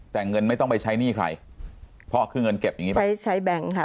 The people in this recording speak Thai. แต่เงินไม่ต้องไปใช้หนี้ใครเพราะคือเงินเก็บอย่างงี้ใช้ใช้แบงค์ค่ะ